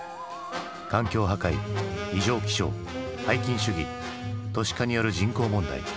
環境破壊異常気象拝金主義都市化による人口問題。